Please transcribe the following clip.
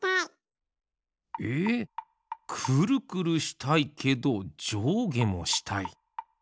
えくるくるしたいけどじょうげもしたい。